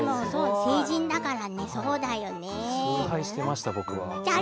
聖人だからそうだよね。